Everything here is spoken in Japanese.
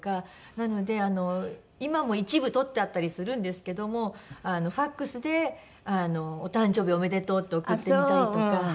なのであの今も一部取ってあったりするんですけどもファクスで「お誕生日おめでとう」って送ってみたりとか。